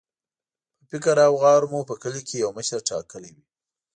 په فکر او غور مو په کلي کې یو مشر ټاکلی وي.